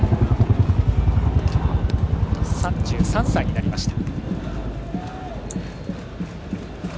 ３３歳になりました。